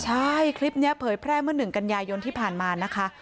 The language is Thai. ใช่คลิปนี้เผยแพร่เมื่อ๑กันยายนที่ผ่านมานะคะ